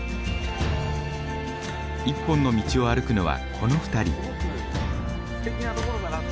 一本の道を歩くのはこの２人。